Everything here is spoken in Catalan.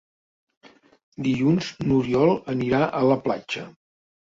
Dilluns n'Oriol anirà a la platja.